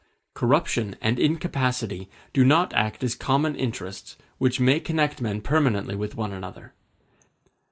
Corruption and incapacity do not act as common interests, which may connect men permanently with one another.